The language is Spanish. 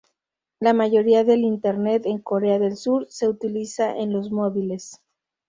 La mayoría del internet en Corea del Sur se utiliza en los móviles.